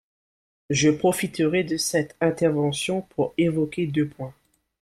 Je profiterai de cette intervention pour évoquer deux points.